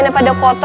yang ada kamu